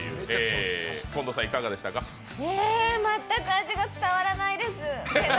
全く味が伝わらないです。